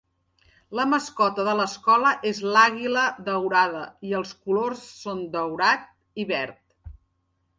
La mascota de l'escola és l'àguila daurada i els colors són daurat i verd.